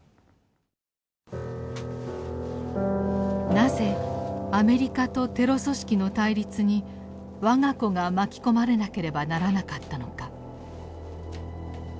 なぜアメリカとテロ組織の対立に我が子が巻き込まれなければならなかったのか。